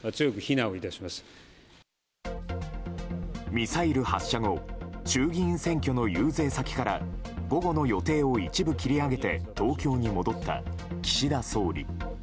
ミサイル発射後衆議院選挙の遊説先から午後の予定を一部切り上げて東京に戻った岸田総理。